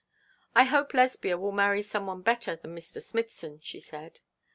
'I hope Lesbia will marry some one better than Mr. Smithson,' she said.